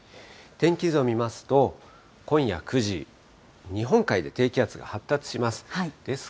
天気図を見ますと、今夜９時、日本海で低気圧が発達します。